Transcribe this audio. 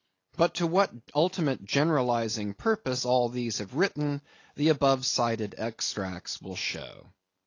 But to what ultimate generalizing purpose all these have written, the above cited extracts will show.